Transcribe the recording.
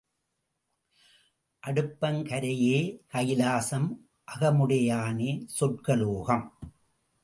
அடுப்பங் கரையே கைலாசம், அகமுடையானே சொர்க்க லோகம்.